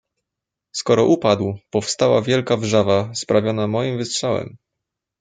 "Skoro upadł, powstała wielka wrzawa sprawiona moim wystrzałem."